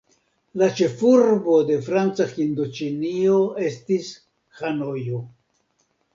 La ĉefurbo de Franca Hindoĉinio estis Hanojo.